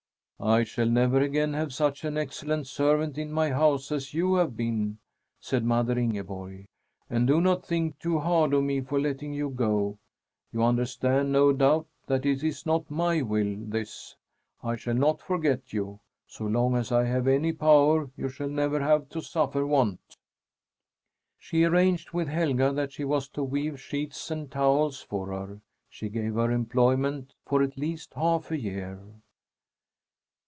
"I shall never again have such an excellent servant in my house as you have been," said mother Ingeborg. "And do not think too hard of me for letting you go! You understand, no doubt, that it is not my will, this. I shall not forget you. So long as I have any power, you shall never have to suffer want." She arranged with Helga that she was to weave sheets and towels for her. She gave her employment for at least half a year.